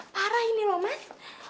parah ini loh mas